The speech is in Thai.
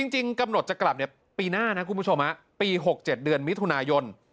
จริงกำหนดจะกลับปีหน้านะคุณผู้ชมปี๖๗เดือนมิถุนายน